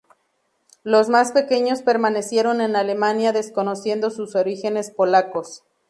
Los más pequeños permanecieron en Alemania desconociendo sus orígenes polacos.